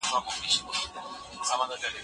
دا نښې تل ځانګړې نه وي.